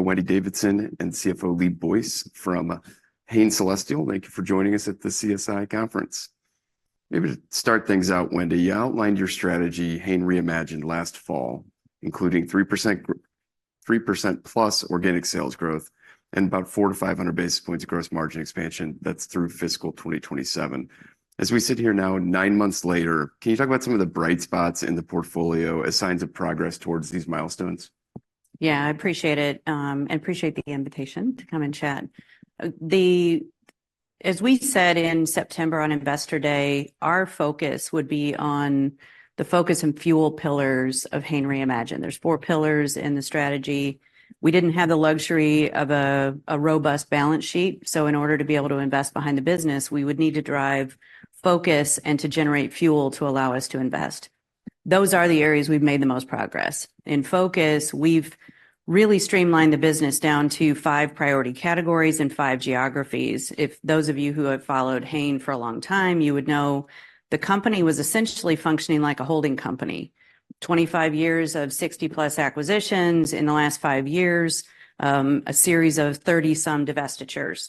Wendy Davidson and CFO Lee Boyce from Hain Celestial, thank you for joining us at the CSI conference. Maybe to start things out, Wendy, you outlined your strategy, Hain Reimagined, last fall, including 3%+ organic sales growth and about 400-500 basis points of gross margin expansion. That's through fiscal 2027. As we sit here now, nine months later, can you talk about some of the bright spots in the portfolio as signs of progress towards these milestones? Yeah, I appreciate it, and appreciate the invitation to come and chat. As we said in September on Investor Day, our focus would be on the Focus and Fuel pillars of Hain Reimagined. There's 4 pillars in the strategy. We didn't have the luxury of a robust balance sheet, so in order to be able to invest behind the business, we would need to drive focus and to generate fuel to allow us to invest. Those are the areas we've made the most progress. In Focus, we've really streamlined the business down to 5 priority categories and 5 geographies. If those of you who have followed Hain for a long time, you would know the company was essentially functioning like a holding company. 25 years of 60+ acquisitions in the last 5 years, a series of 30-some divestitures.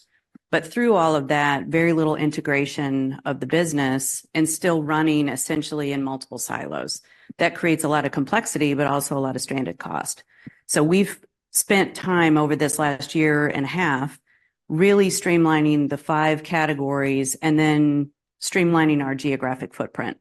But through all of that, very little integration of the business and still running essentially in multiple silos. That creates a lot of complexity, but also a lot of stranded cost. So we've spent time over this last year and a half really streamlining the five categories and then streamlining our geographic footprint.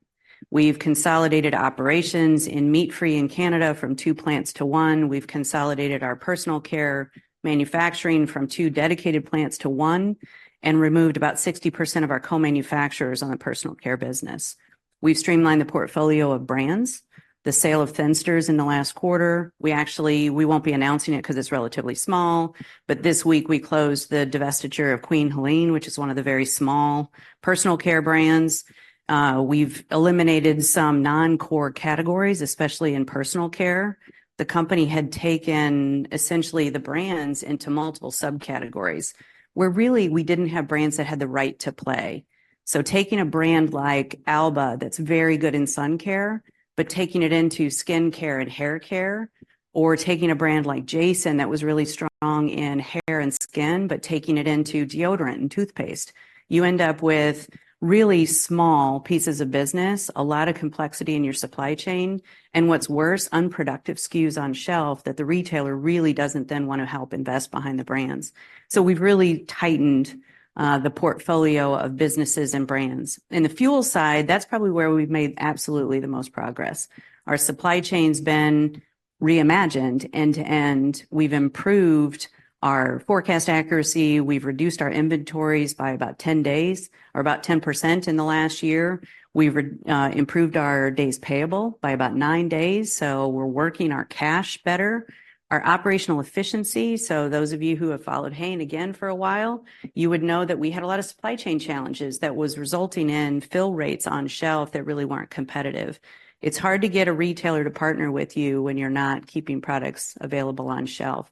We've consolidated operations in meat-free in Canada from two plants to one. We've consolidated our personal care manufacturing from two dedicated plants to one and removed about 60% of our co-manufacturers on the personal care business. We've streamlined the portfolio of brands, the sale of Thinsters in the last quarter. We actually won't be announcing it 'cause it's relatively small, but this week we closed the divestiture of Queen Helene, which is one of the very small personal care brands. We've eliminated some non-core categories, especially in personal care. The company had taken essentially the brands into multiple subcategories, where really we didn't have brands that had the right to play. So taking a brand like Alba, that's very good in sun care, but taking it into skin care and hair care, or taking a brand like Jason, that was really strong in hair and skin, but taking it into deodorant and toothpaste, you end up with really small pieces of business, a lot of complexity in your supply chain, and what's worse, unproductive SKUs on shelf that the retailer really doesn't then wanna help invest behind the brands. So we've really tightened the portfolio of businesses and brands. In the fuel side, that's probably where we've made absolutely the most progress. Our supply chain's been reimagined end-to-end. We've improved our forecast accuracy. We've reduced our inventories by about 10 days, or about 10% in the last year. We've improved our days payable by about 9 days, so we're working our cash better. Our operational efficiency, so those of you who have followed Hain for a while, you would know that we had a lot of supply chain challenges that was resulting in fill rates on shelf that really weren't competitive. It's hard to get a retailer to partner with you when you're not keeping products available on shelf.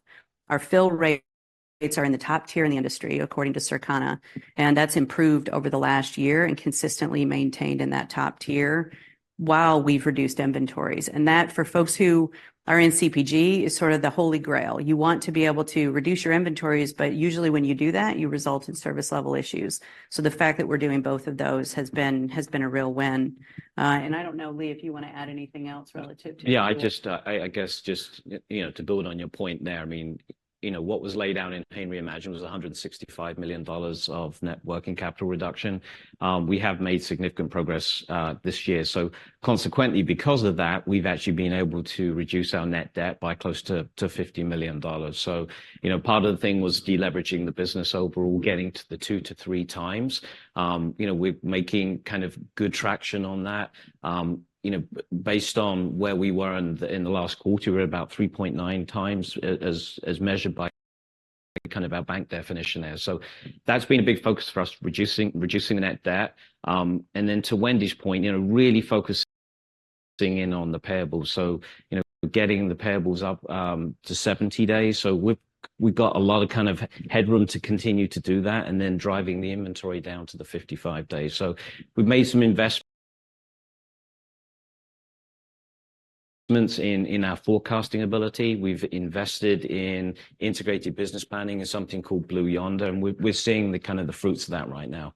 Our fill rates are in the top tier in the industry, according to Circana, and that's improved over the last year and consistently maintained in that top tier, while we've reduced inventories. And that, for folks who are in CPG, is sort of the Holy Grail. You want to be able to reduce your inventories, but usually when you do that, you result in service level issues. So the fact that we're doing both of those has been, has been a real win. And I don't know, Lee, if you wanna add anything else relative to- Yeah, I just, I guess just, you know, to build on your point there, I mean, you know, what was laid down in Hain Reimagined was $165 million of net working capital reduction. We have made significant progress this year. So consequently, because of that, we've actually been able to reduce our net debt by close to $50 million. So, you know, part of the thing was deleveraging the business overall, getting to the 2-3 times. You know, based on where we were in the last quarter, we're about 3.9 times, as measured by kind of our bank definition there. So that's been a big focus for us, reducing the net debt. And then to Wendy's point, you know, really focusing in on the payables. So, you know, getting the payables up to 70 days. So we've got a lot of kind of headroom to continue to do that, and then driving the inventory down to the 55 days. So we've made some investments in our forecasting ability. We've invested in integrated business planning in something called Blue Yonder, and we're seeing the kind of the fruits of that right now.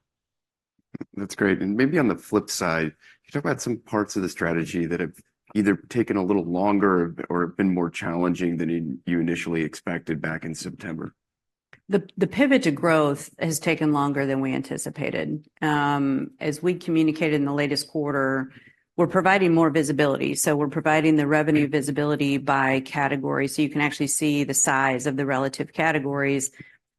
That's great. And maybe on the flip side, can you talk about some parts of the strategy that have either taken a little longer or been more challenging than you initially expected back in September? The pivot to growth has taken longer than we anticipated. As we communicated in the latest quarter, we're providing more visibility. So we're providing the revenue visibility by category, so you can actually see the size of the relative categories.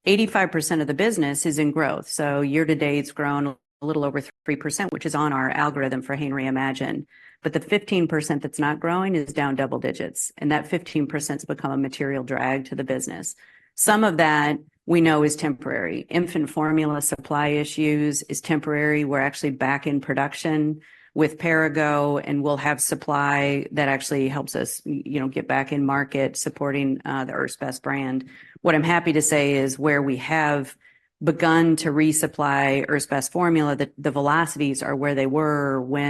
85% of the business is in growth, so year to date, it's grown a little over 3%, which is on our algorithm for Hain Reimagined. But the 15% that's not growing is down double digits, and that 15%'s become a material drag to the business. Some of that, we know, is temporary. Infant formula supply issues is temporary. We're actually back in production with Perrigo, and we'll have supply that actually helps us, you know, get back in market, supporting the Earth's Best brand. What I'm happy to say is, where we have begun to resupply Earth's Best formula, the velocities are where they were when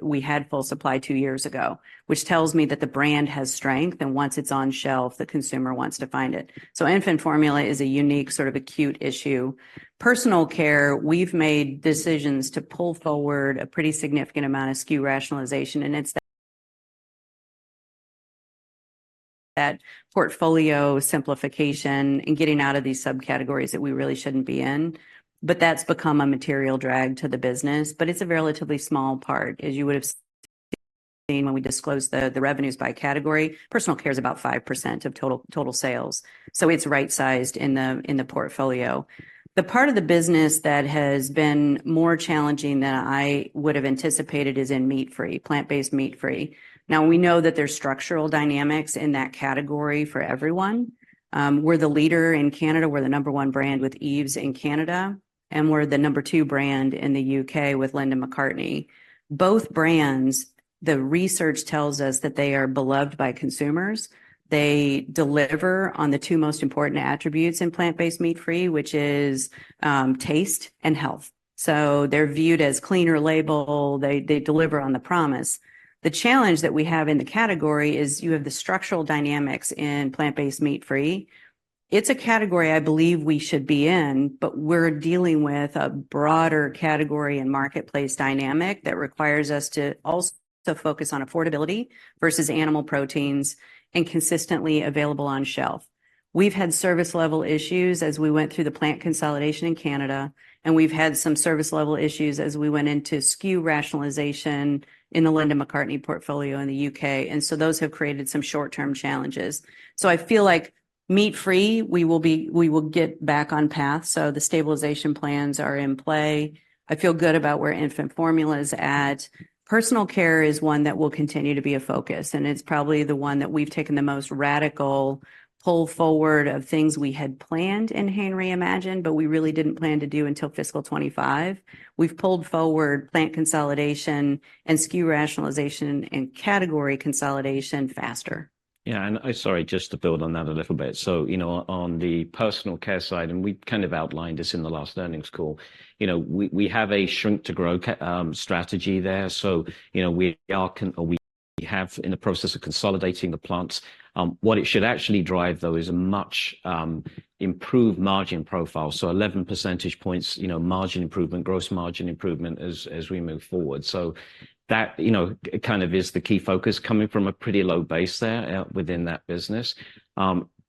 we had full supply two years ago, which tells me that the brand has strength, and once it's on shelf, the consumer wants to find it. So infant formula is a unique sort of acute issue. Personal care, we've made decisions to pull forward a pretty significant amount of SKU rationalization, and it's that portfolio simplification and getting out of these subcategories that we really shouldn't be in. But that's become a material drag to the business, but it's a relatively small part. As you would've seen when we disclosed the revenues by category, personal care is about 5% of total sales, so it's right-sized in the portfolio. The part of the business that has been more challenging than I would've anticipated is in meat-free, plant-based meat-free. Now, we know that there's structural dynamics in that category for everyone. We're the leader in Canada. We're the number 1 brand with Yves in Canada, and we're the number 2 brand in the U.K. with Linda McCartney. Both brands, the research tells us that they are beloved by consumers. They deliver on the two most important attributes in plant-based meat-free, which is taste and health. So they're viewed as cleaner label. They, they deliver on the promise. The challenge that we have in the category is you have the structural dynamics in plant-based meat-free. It's a category I believe we should be in, but we're dealing with a broader category and marketplace dynamic that requires us to also to focus on affordability versus animal proteins and consistently available on shelf. We've had service-level issues as we went through the plant consolidation in Canada, and we've had some service-level issues as we went into SKU rationalization in the Linda McCartney portfolio in the U.K., and so those have created some short-term challenges. So I feel like meat-free, we will be—we will get back on path, so the stabilization plans are in play. I feel good about where infant formula is at. Personal care is one that will continue to be a focus, and it's probably the one that we've taken the most radical pull forward of things we had planned in Hain Reimagined, but we really didn't plan to do until fiscal 2025. We've pulled forward plant consolidation and SKU rationalization and category consolidation faster. Yeah, and sorry, just to build on that a little bit. So, you know, on the personal care side, and we kind of outlined this in the last earnings call, you know, we have a shrink-to-grow strategy there. So, you know, we have in the process of consolidating the plants. What it should actually drive, though, is a much improved margin profile. So 11 percentage points, you know, margin improvement, gross margin improvement as we move forward. So that, you know, kind of is the key focus, coming from a pretty low base there within that business.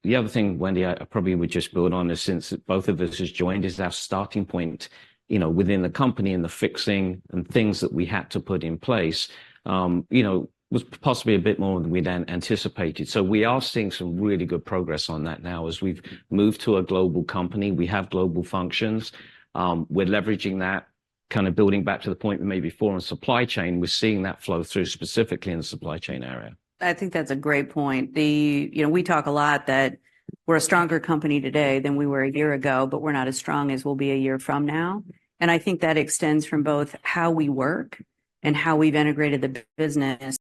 The other thing, Wendy, I probably would just build on is, since both of us has joined, is our starting point, you know, within the company and the fixing and things that we had to put in place, you know, was possibly a bit more than we'd anticipated. So we are seeing some really good progress on that now. As we've moved to a global company, we have global functions. We're leveraging that, kind of building back to the point we made before on supply chain. We're seeing that flow through, specifically in the supply chain area. I think that's a great point. You know, we talk a lot that we're a stronger company today than we were a year ago, but we're not as strong as we'll be a year from now, and I think that extends from both how we work and how we've integrated the business,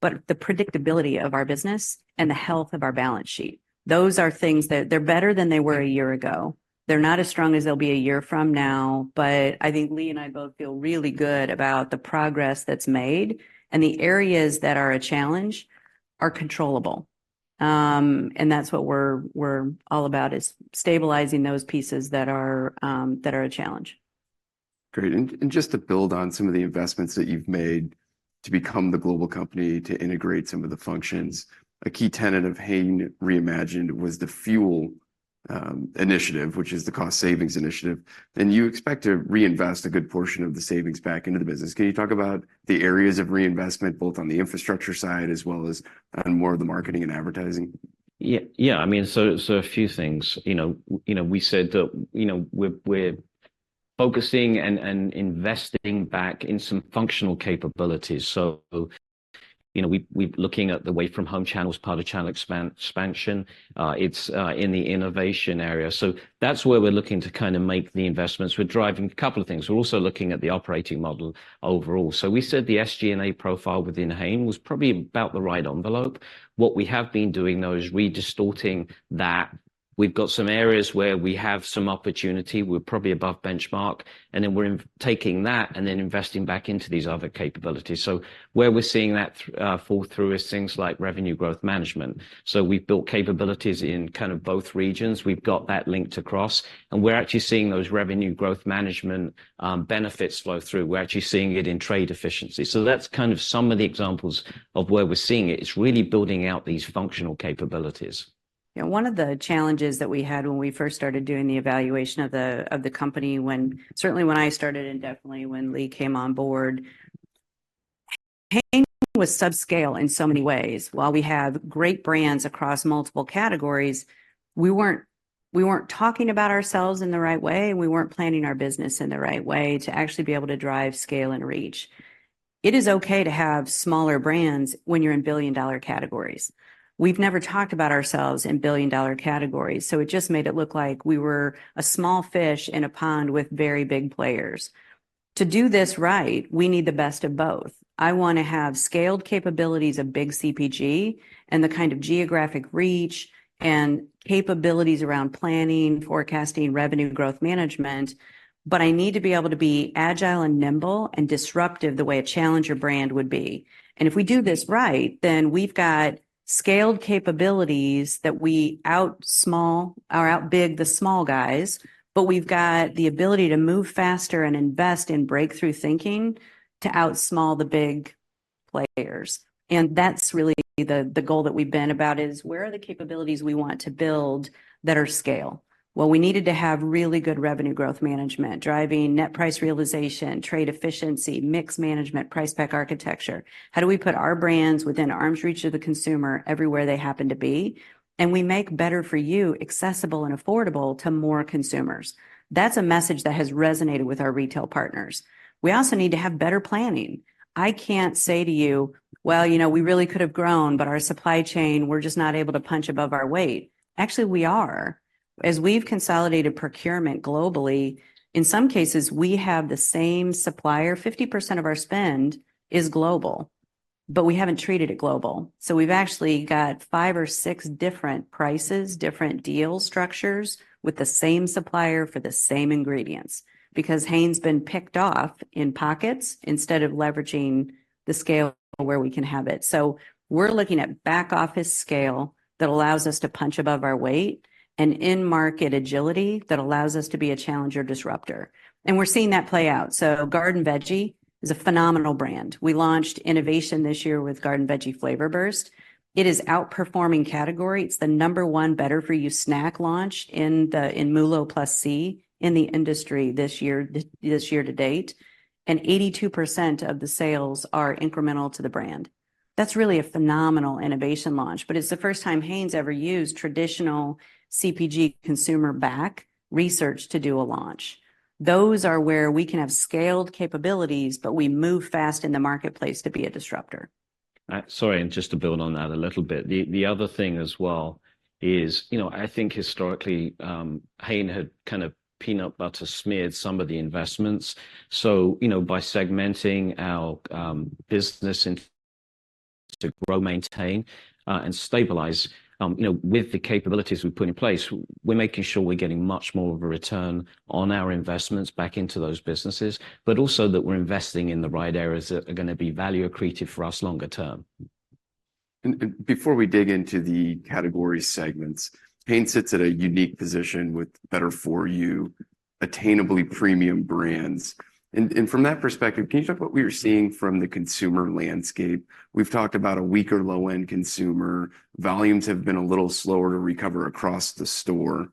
but the predictability of our business and the health of our balance sheet. Those are things that they're better than they were a year ago. They're not as strong as they'll be a year from now, but I think Lee and I both feel really good about the progress that's made, and the areas that are a challenge are controllable. And that's what we're all about, is stabilizing those pieces that are a challenge. Great. And just to build on some of the investments that you've made to become the global company, to integrate some of the functions, a key tenet of Hain Reimagined was the FUEL initiative, which is the cost savings initiative. And you expect to reinvest a good portion of the savings back into the business. Can you talk about the areas of reinvestment, both on the infrastructure side as well as on more of the marketing and advertising? Yeah, yeah. I mean, so a few things. You know, you know, we said that, you know, we're, we're focusing and investing back in some functional capabilities. So, you know, we're looking at the away-from-home channels, part of channel expansion. It's in the innovation area. So that's where we're looking to kind of make the investments. We're driving a couple of things. We're also looking at the operating model overall. So we said the SG&A profile within Hain was probably about the right envelope. What we have been doing, though, is redistributing that. We've got some areas where we have some opportunity, we're probably above benchmark, and then we're taking that and then investing back into these other capabilities. So where we're seeing that fall through is things like revenue growth management. So we've built capabilities in kind of both regions. We've got that linked across, and we're actually seeing those revenue growth management benefits flow through. We're actually seeing it in trade efficiency. So that's kind of some of the examples of where we're seeing it. It's really building out these functional capabilities. Yeah, one of the challenges that we had when we first started doing the evaluation of the company, certainly when I started and definitely when Lee came on board, Hain was subscale in so many ways. While we have great brands across multiple categories, we weren't talking about ourselves in the right way, and we weren't planning our business in the right way to actually be able to drive scale and reach. It is okay to have smaller brands when you're in billion-dollar categories. We've never talked about ourselves in billion-dollar categories, so it just made it look like we were a small fish in a pond with very big players. To do this right, we need the best of both. I wanna have scaled capabilities of big CPG, and the kind of geographic reach and capabilities around planning, forecasting, revenue growth management, but I need to be able to be agile and nimble and disruptive the way a challenger brand would be. And if we do this right, then we've got scaled capabilities that we out-small or out-big the small guys, but we've got the ability to move faster and invest in breakthrough thinking to out-small the big players. And that's really the goal that we've been about, is where are the capabilities we want to build that are scale? Well, we needed to have really good revenue growth management, driving net price realization, trade efficiency, mix management, price pack architecture. How do we put our brands within arm's reach of the consumer everywhere they happen to be? And we make better-for-you, accessible and affordable to more consumers. That's a message that has resonated with our retail partners. We also need to have better planning. I can't say to you, "Well, you know, we really could have grown, but our supply chain, we're just not able to punch above our weight." Actually, we are. As we've consolidated procurement globally, in some cases, we have the same supplier. 50% of our spend is global, but we haven't treated it global. So we've actually got five or six different prices, different deal structures, with the same supplier for the same ingredients. Because Hain's been picked off in pockets instead of leveraging the scale where we can have it. So we're looking at back-office scale that allows us to punch above our weight, and in-market agility that allows us to be a challenger disruptor, and we're seeing that play out. So Garden Veggie is a phenomenal brand. We launched innovation this year with Garden Veggie Flavor Burst. It is outperforming category. It's the number one better-for-you snack launch in MULO+C in the industry this year to date, and 82% of the sales are incremental to the brand. That's really a phenomenal innovation launch, but it's the first time Hain's ever used traditional CPG consumer back research to do a launch. Those are where we can have scaled capabilities, but we move fast in the marketplace to be a disruptor. Sorry, and just to build on that a little bit, the other thing as well is, you know, I think historically, Hain had kind of peanut butter spread some of the investments. So, you know, by segmenting our business and to grow, maintain, and stabilize, you know, with the capabilities we've put in place, we're making sure we're getting much more of a return on our investments back into those businesses, but also that we're investing in the right areas that are gonna be value accretive for us longer term. Before we dig into the category segments, Hain sits at a unique position with better-for-you, attainably premium brands. From that perspective, can you talk what we are seeing from the consumer landscape? We've talked about a weaker low-end consumer. Volumes have been a little slower to recover across the store.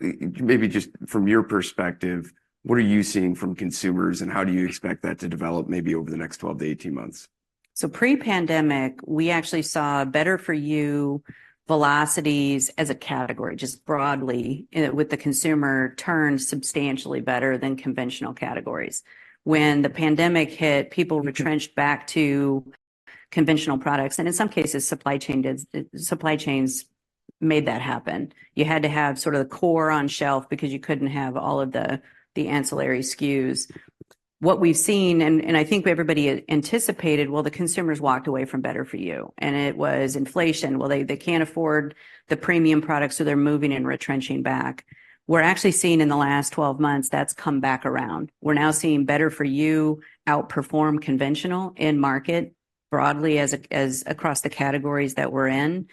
Maybe just from your perspective, what are you seeing from consumers, and how do you expect that to develop maybe over the next twelve to eighteen months? So pre-pandemic, we actually saw better-for-you velocities as a category, just broadly, with the consumer, turn substantially better than conventional categories. When the pandemic hit, people retrenched back to conventional products, and in some cases, supply chains made that happen. You had to have sort of the core on shelf because you couldn't have all of the, the ancillary SKUs. What we've seen, and I think everybody anticipated, well, the consumers walked away from better-for-you, and it was inflation. Well, they can't afford the premium products, so they're moving and retrenching back. We're actually seeing in the last 12 months, that's come back around. We're now seeing better-for-you outperform conventional in market broadly as across the categories that we're in.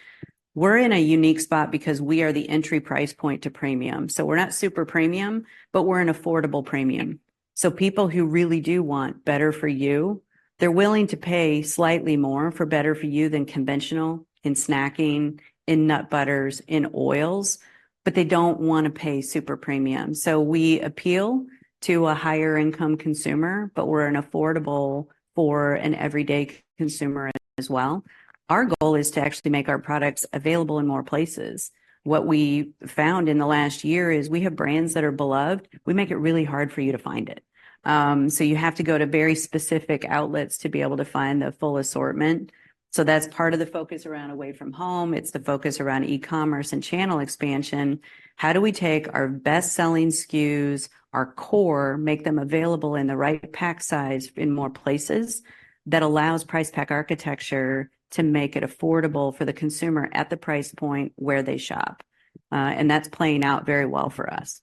We're in a unique spot because we are the entry price point to premium. So we're not super premium, but we're an affordable premium. So people who really do want better-for-you, they're willing to pay slightly more for better-for-you than conventional in snacking, in nut butters, in oils, but they don't wanna pay super premium. So we appeal to a higher income consumer, but we're an affordable for an everyday consumer as well. Our goal is to actually make our products available in more places. What we found in the last year is, we have brands that are beloved. We make it really hard for you to find it. So you have to go to very specific outlets to be able to find the full assortment. So that's part of the focus around away from home, it's the focus around e-commerce and channel expansion. How do we take our best-selling SKUs, our core, make them available in the right pack size in more places, that allows price pack architecture to make it affordable for the consumer at the price point where they shop? And that's playing out very well for us.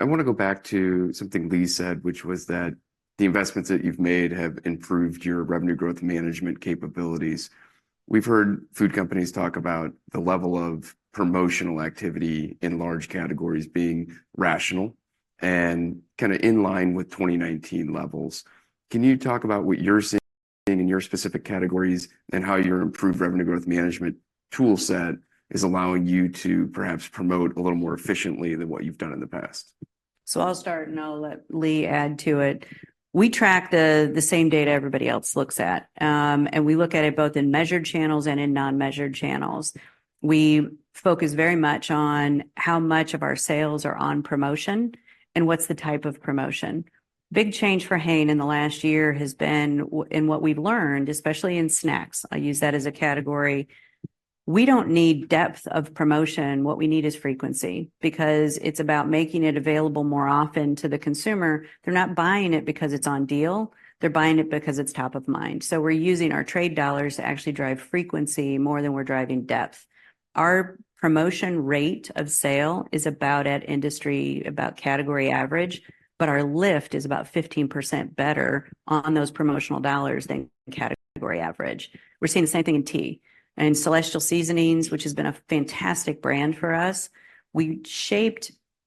I wanna go back to something Lee said, which was that the investments that you've made have improved your revenue growth management capabilities. We've heard food companies talk about the level of promotional activity in large categories being rational and kinda in line with 2019 levels. Can you talk about what you're seeing in your specific categories and how your improved revenue growth management tool set is allowing you to perhaps promote a little more efficiently than what you've done in the past? So I'll start, and I'll let Lee add to it. We track the same data everybody else looks at, and we look at it both in measured channels and in non-measured channels. We focus very much on how much of our sales are on promotion and what's the type of promotion. Big change for Hain in the last year has been in what we've learned, especially in snacks. I use that as a category we don't need depth of promotion. What we need is frequency, because it's about making it available more often to the consumer. They're not buying it because it's on deal, they're buying it because it's top of mind. So we're using our trade dollars to actually drive frequency more than we're driving depth. Our promotion rate of sale is about at industry, about category average, but our lift is about 15% better on those promotional dollars than category average. We're seeing the same thing in tea. In Celestial Seasonings, which has been a fantastic brand for us,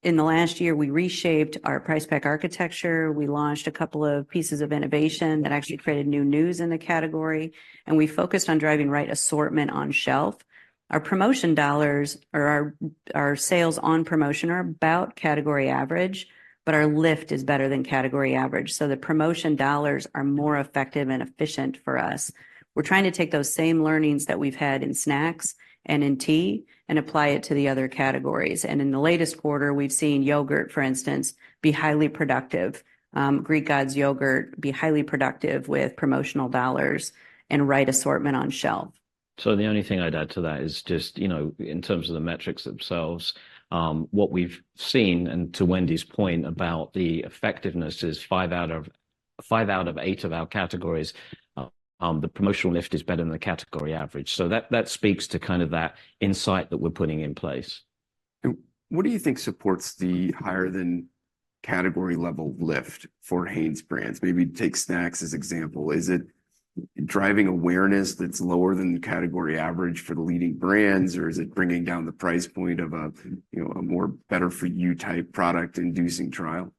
in the last year, we reshaped our price pack architecture. We launched a couple of pieces of innovation that actually created new news in the category, and we focused on driving right assortment on shelf. Our promotion dollars, or our sales on promotion are about category average, but our lift is better than category average. So the promotion dollars are more effective and efficient for us. We're trying to take those same learnings that we've had in snacks and in tea and apply it to the other categories. And in the latest quarter, we've seen yogurt, for instance, be highly productive. Greek Gods yogurt be highly productive with promotional dollars and right assortment on shelf. So the only thing I'd add to that is just, you know, in terms of the metrics themselves, what we've seen, and to Wendy's point about the effectiveness, is five out of eight of our categories, the promotional lift is better than the category average. So that, that speaks to kind of that insight that we're putting in place. What do you think supports the higher-than-category-level lift for Hain's brands? Maybe take snacks as example. Is it driving awareness that's lower than the category average for the leading brands, or is it bringing down the price point of a, you know, a more better-for-you-type product, inducing trial?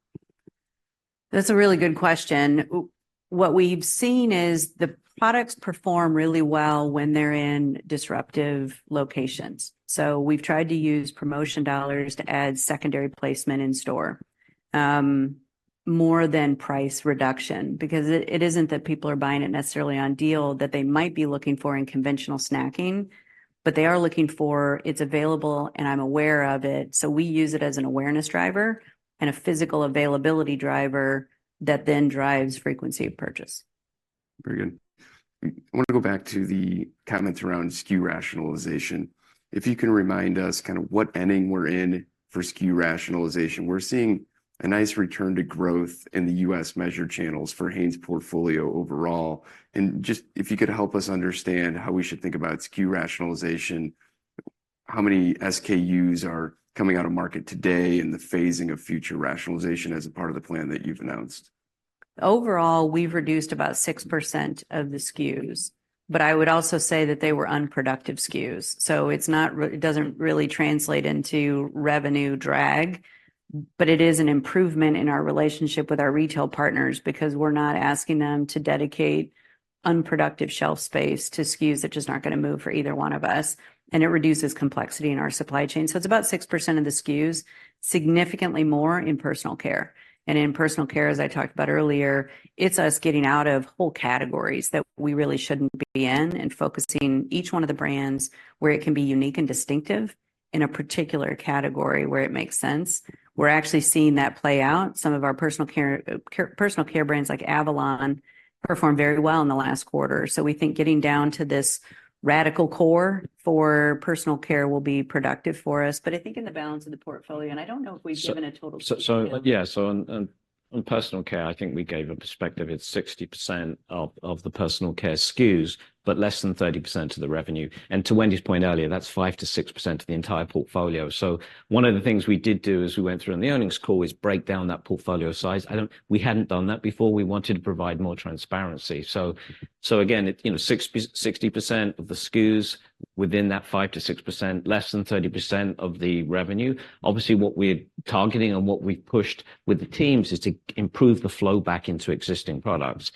That's a really good question. What we've seen is the products perform really well when they're in disruptive locations. So we've tried to use promotion dollars to add secondary placement in store, more than price reduction, because it, it isn't that people are buying it necessarily on deal that they might be looking for in conventional snacking, but they are looking for, "It's available, and I'm aware of it." So we use it as an awareness driver and a physical availability driver that then drives frequency of purchase. Very good. I wanna go back to the comments around SKU rationalization. If you can remind us kind of what inning we're in for SKU rationalization? We're seeing a nice return to growth in the U.S. measured channels for Hain's portfolio overall, and just if you could help us understand how we should think about SKU rationalization, how many SKUs are coming out of market today, and the phasing of future rationalization as a part of the plan that you've announced. Overall, we've reduced about 6% of the SKUs, but I would also say that they were unproductive SKUs, so it doesn't really translate into revenue drag. But it is an improvement in our relationship with our retail partners because we're not asking them to dedicate unproductive shelf space to SKUs that just aren't gonna move for either one of us, and it reduces complexity in our supply chain. So it's about 6% of the SKUs, significantly more in personal care. And in personal care, as I talked about earlier, it's us getting out of whole categories that we really shouldn't be in, and focusing each one of the brands where it can be unique and distinctive in a particular category where it makes sense. We're actually seeing that play out. Some of our personal care brands, like Avalon, performed very well in the last quarter. So we think getting down to this radical core for personal care will be productive for us. But I think in the balance of the portfolio, and I don't know if we've given a total- So, on personal care, I think we gave a perspective. It's 60% of the personal care SKUs, but less than 30% of the revenue. And to Wendy's point earlier, that's 5%-6% of the entire portfolio. So one of the things we did do as we went through in the earnings call is break down that portfolio size. I don't—we hadn't done that before. We wanted to provide more transparency. So again, you know, 60% of the SKUs within that 5%-6%, less than 30% of the revenue. Obviously, what we're targeting and what we've pushed with the teams is to improve the flow back into existing products.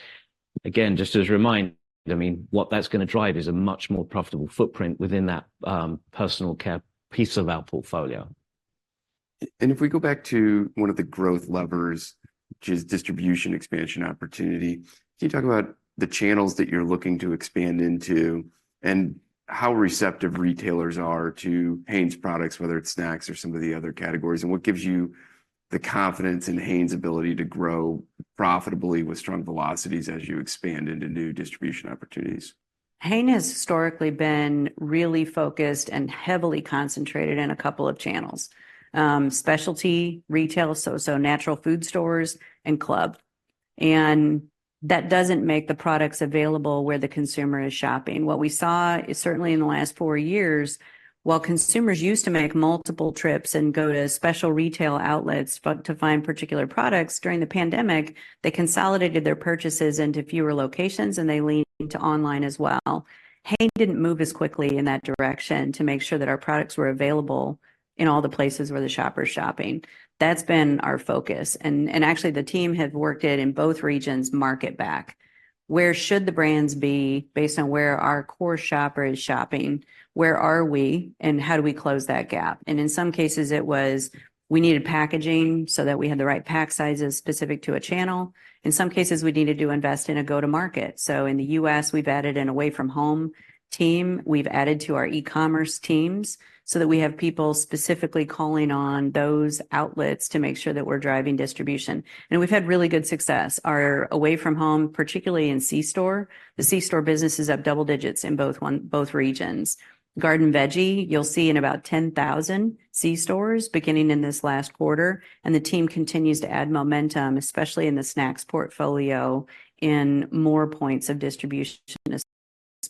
Again, just as a reminder, I mean, what that's gonna drive is a much more profitable footprint within that, personal care piece of our portfolio. If we go back to one of the growth levers, which is distribution expansion opportunity, can you talk about the channels that you're looking to expand into, and how receptive retailers are to Hain's products, whether it's snacks or some of the other categories? What gives you the confidence in Hain's ability to grow profitably with strong velocities as you expand into new distribution opportunities? Hain has historically been really focused and heavily concentrated in a couple of channels: specialty, retail, so, so natural food stores, and club. That doesn't make the products available where the consumer is shopping. What we saw is, certainly in the last four years, while consumers used to make multiple trips and go to special retail outlets to find particular products, during the pandemic, they consolidated their purchases into fewer locations, and they leaned to online as well. Hain didn't move as quickly in that direction to make sure that our products were available in all the places where the shopper's shopping. That's been our focus, and actually, the team have worked it in both regions, market back. Where should the brands be based on where our core shopper is shopping? Where are we, and how do we close that gap? In some cases, it was we needed packaging so that we had the right pack sizes specific to a channel. In some cases, we needed to invest in a go-to-market. So in the U.S., we've added an away-from-home team. We've added to our e-commerce teams so that we have people specifically calling on those outlets to make sure that we're driving distribution, and we've had really good success. Our away from home, particularly in C-store, the C-store business is up double digits in both one, both regions. Garden Veggie, you'll see in about 10,000 C-stores beginning in this last quarter, and the team continues to add momentum, especially in the snacks portfolio, in more points of distribution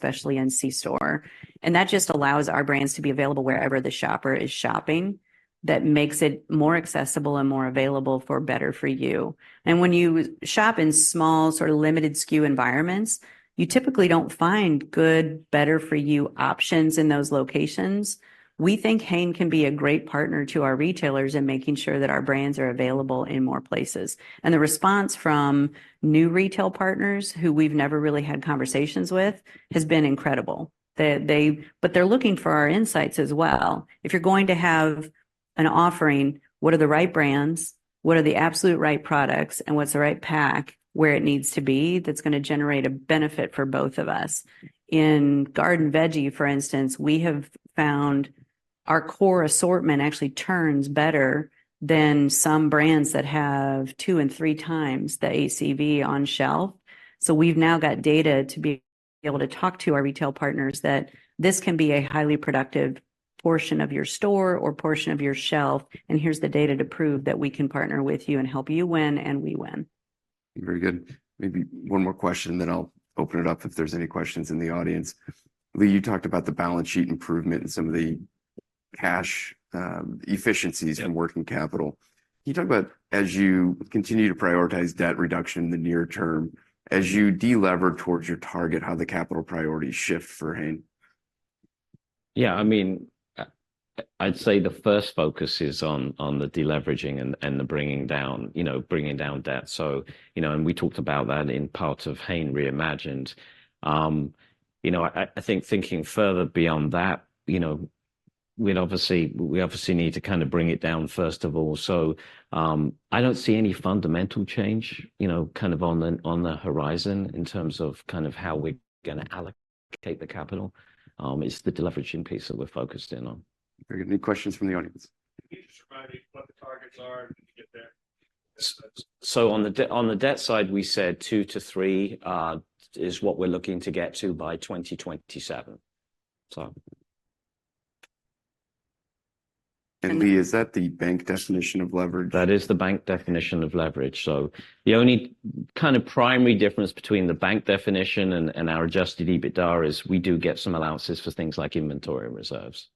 especially in C-store, and that just allows our brands to be available wherever the shopper is shopping. That makes it more accessible and more available for better-for-you. And when you shop in small, sort of limited SKU environments, you typically don't find good, better-for-you options in those locations. We think Hain can be a great partner to our retailers in making sure that our brands are available in more places, and the response from new retail partners who we've never really had conversations with, has been incredible. They—but they're looking for our insights as well. If you're going to have an offering, what are the right brands? What are the absolute right products, and what's the right pack, where it needs to be, that's gonna generate a benefit for both of us? In Garden Veggie, for instance, we have found our core assortment actually turns better than some brands that have two and three times the ACV on shelf. We've now got data to be able to talk to our retail partners that this can be a highly productive portion of your store or portion of your shelf, and here's the data to prove that we can partner with you and help you win, and we win. Very good. Maybe one more question, then I'll open it up if there's any questions in the audience. Lee, you talked about the balance sheet improvement and some of the cash efficiencies- Yeah... and working capital. Can you talk about, as you continue to prioritize debt reduction in the near term, as you de-lever towards your target, how the capital priorities shift for Hain? Yeah, I mean, I'd say the first focus is on the deleveraging and the bringing down, you know, bringing down debt. So, you know, we talked about that in parts of Hain Reimagined. You know, I think thinking further beyond that, you know, we obviously need to kind of bring it down first of all. So, I don't see any fundamental change, you know, kind of on the horizon in terms of kind of how we're gonna allocate the capital. It's the deleveraging piece that we're focused in on. Very good. Any questions from the audience? Can you just remind me what the targets are, and to get there? So, on the debt side, we said 2-3 is what we're looking to get to by 2027, so... Lee, is that the bank definition of leverage? That is the bank definition of leverage. So the only kind of primary difference between the bank definition and our Adjusted EBITDA is we do get some allowances for things like inventory reserves.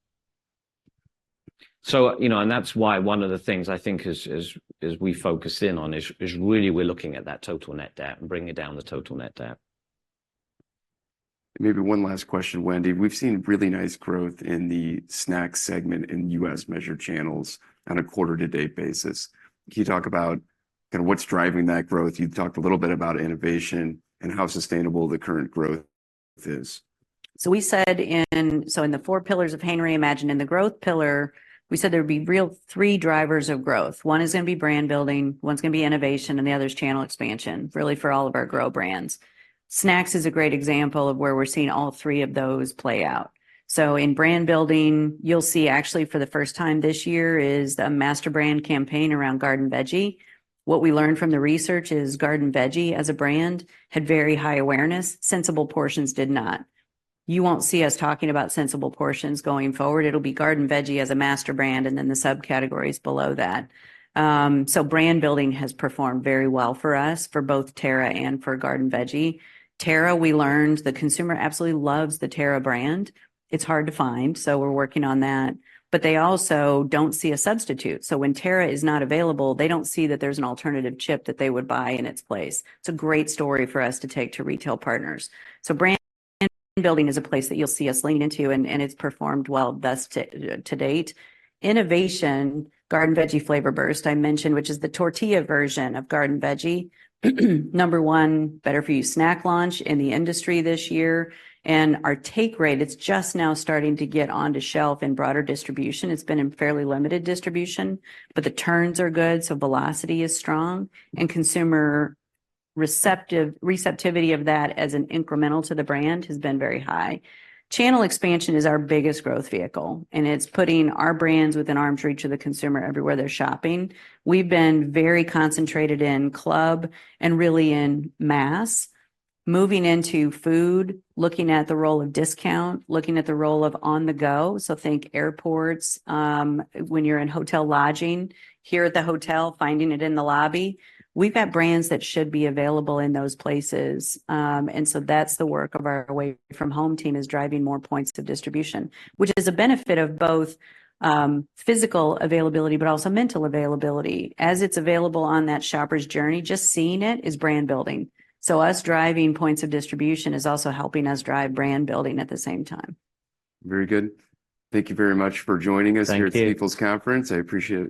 So, you know, and that's why one of the things I think as we focus in on this, is really we're looking at that total net debt and bringing down the total net debt. Maybe one last question, Wendy. We've seen really nice growth in the snack segment in U.S. measured channels on a quarter to date basis. Can you talk about kind of what's driving that growth? You've talked a little bit about innovation and how sustainable the current growth is. So in the four pillars of Hain Reimagined, in the growth pillar, we said there would be really three drivers of growth. One is gonna be brand building, one's gonna be innovation, and the other is channel expansion, really for all of our Grow brands. Snacks is a great example of where we're seeing all three of those play out. So in brand building, you'll see actually for the first time this year, is a master brand campaign around Garden Veggie. What we learned from the research is Garden Veggie, as a brand, had very high awareness. Sensible Portions did not. You won't see us talking about Sensible Portions going forward. It'll be Garden Veggie as a master brand, and then the subcategories below that. So brand building has performed very well for us, for both Terra and for Garden Veggie. Terra, we learned the consumer absolutely loves the Terra brand. It's hard to find, so we're working on that. But they also don't see a substitute, so when Terra is not available, they don't see that there's an alternative chip that they would buy in its place. It's a great story for us to take to retail partners. So brand building is a place that you'll see us lean into, and it's performed well thus to date. Innovation, Garden Veggie Flavor Burst, I mentioned, which is the tortilla version of Garden Veggie, number one better-for-you snack launch in the industry this year. And our take rate, it's just now starting to get onto shelf in broader distribution. It's been in fairly limited distribution, but the turns are good, so velocity is strong, and consumer receptivity of that as an incremental to the brand has been very high. Channel expansion is our biggest growth vehicle, and it's putting our brands within arm's reach of the consumer everywhere they're shopping. We've been very concentrated in club and really in mass, moving into food, looking at the role of discount, looking at the role of on the go, so think airports. When you're in hotel lodging, here at the hotel, finding it in the lobby. We've got brands that should be available in those places. And so that's the work of our away from home team, is driving more points of distribution, which is a benefit of both, physical availability, but also mental availability. As it's available on that shopper's journey, just seeing it is brand building. So us driving points of distribution is also helping us drive brand building at the same time. Very good. Thank you very much for joining us- Thank you... here at the CSI conference. I appreciate it.